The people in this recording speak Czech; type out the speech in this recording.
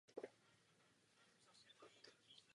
Nicméně přesnost mapy je z velké části omezena na Středomoří.